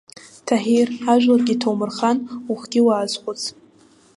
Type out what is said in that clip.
Таҳир, ажәларгьы ҭоумырхан, ухгьы уаазхәыц!